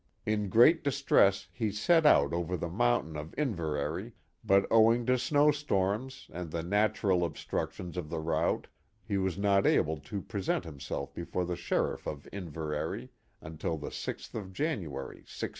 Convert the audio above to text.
In great distress he set out over the mountain to Inverary, but owing to snow storms and the natural obstructions of the route he was not able to present himself before the sheriff of Inverary until the sixth of January, 1692.